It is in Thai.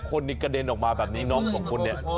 คนนี้กระเด็นออกมาแบบนี้น้องสองคนเนี่ย